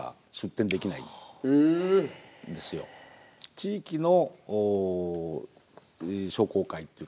地域の商工会っていうか